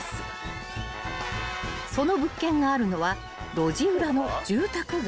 ［その物件があるのは路地裏の住宅街］